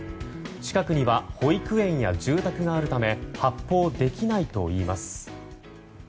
近くには保育園や住宅があるため発砲できないといいます。